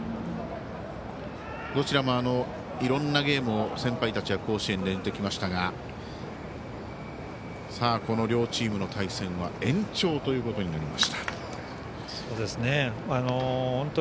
どちらもいろんなゲームを先輩たちは甲子園で演じてきましたがこの両チームの対戦は延長となりました。